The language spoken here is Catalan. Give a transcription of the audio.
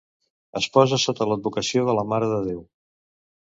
Es posà sota l'advocació de la Mare de Déu.